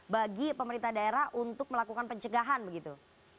bagi pemerintah daerah untuk melakukan pencegahan begitu